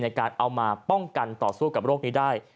ในการเอามาป้องกันต่อสู้กับโรคนี้ได้